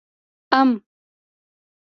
🥭 ام